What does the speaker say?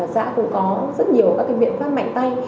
xã cũng có rất nhiều các biện pháp mạnh tay